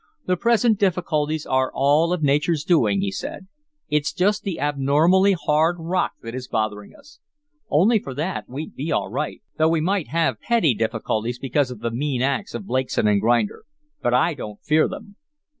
"The present difficulties are all of Nature's doing," he said. "It's just the abnormally hard rock that is bothering us. Only for that we'd be all right, though we might have petty difficulties because of the mean acts of Blakeson & Grinder. But I don't fear them."